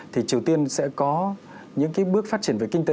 thì triều tiên sẽ có những bước phát triển về kinh tế